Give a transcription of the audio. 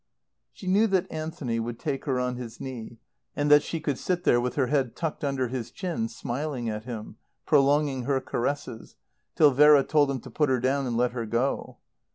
She knew that Anthony would take her on his knee, and that she could sit there with her head tucked under his chin, smiling at him, prolonging her caresses, till Vera told him to put her down and let her go.